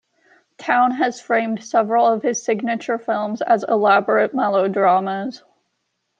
Towne has framed several of his signature films as elaborate melodramas.